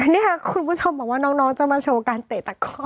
นี่ค่ะคุณผู้ชมบอกว่าน้องจะมาโชว์การเตะตะคอก